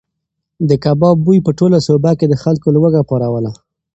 د کباب بوی په ټوله سوبه کې د خلکو لوږه پاروله.